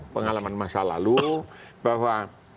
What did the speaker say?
pengalaman masa lalu bahwa